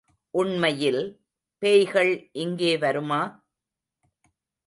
உண்மையில் பேய்கள் இங்கே வருமா?